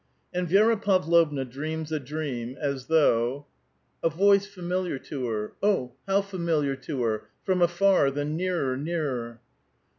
And Vi6ra Pavlovna dreams a dream as though :— A voice familiar to her — oh, how familiar to her I — from afar, then nearer, nearer.